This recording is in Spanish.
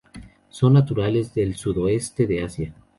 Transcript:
Son naturales del sudoeste de Asia.